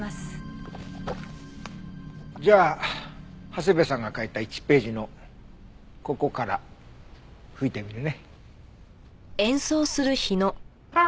じゃあ長谷部さんが書いた１ページのここから吹いてみるね。